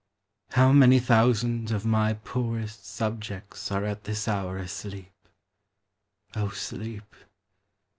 — How many thousand of my p subjects Arc at this hour asleep ' i i deep